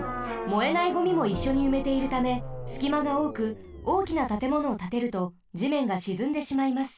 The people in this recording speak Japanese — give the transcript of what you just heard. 燃えないゴミもいっしょにうめているためすきまがおおくおおきなたてものをたてるとじめんがしずんでしまいます。